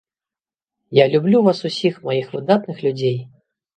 Я люблю вас усіх маіх выдатных людзей!